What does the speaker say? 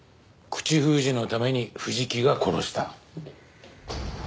口封じのために藤木が殺した。